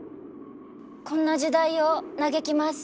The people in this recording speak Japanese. こんな時代を嘆きます。